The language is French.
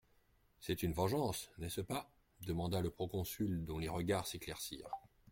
C'est une vengeance, n'est-ce pas ? demanda le proconsul dont les regards s'éclaircirent.